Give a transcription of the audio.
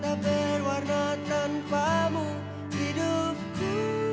tak berwarna tanpamu hidupku